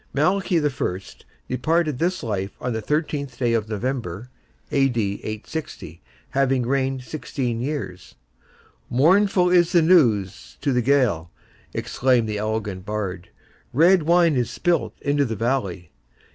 Malachy I. departed this life on the 13th day of November, (A.D. 860), having reigned sixteen years. "Mournful is the news to the Gael!" exclaims the elegiac Bard! "Red wine is spilled into the valley!